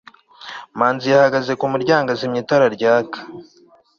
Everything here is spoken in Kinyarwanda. manzi yahagaze ku muryango, azimya itara ryaka